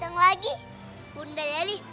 sekarang pejamkan mata putri